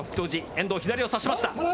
遠藤、左を差しました。